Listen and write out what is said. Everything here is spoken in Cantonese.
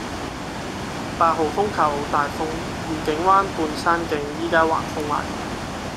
八號風球好大風，愉景灣畔山徑依家橫風橫雨